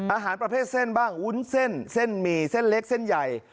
อาหารประเภทเส้นบ้างวุ้นเส้นเส้นหมี่เส้นเล็กเส้นใหญ่